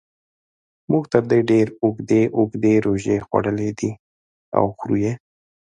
موږ تر دې ډېرې اوږدې اوږدې روژې خوړلې دي او خورو یې.